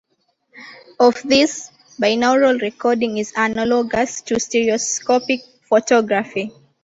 Of these, binaural recording is analogous to stereoscopic photography.